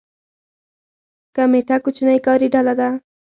کمیټه کوچنۍ کاري ډله ده